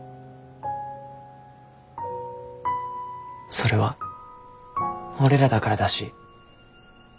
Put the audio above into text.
それは俺らだからだし。